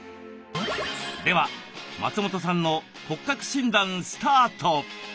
では松本さんの骨格診断スタート！